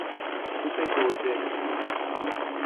سوپ گوجه